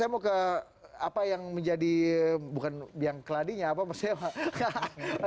saya mau ke apa yang menjadi bukan yang keladinya apa maksudnya sekarang